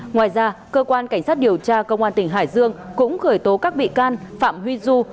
ngoài ra cơ quan cảnh sát điều tra công an tỉnh hải dương cũng khởi tố các bị can phạm huy du